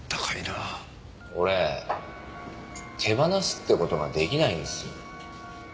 俺手放すって事が出来ないんですよ。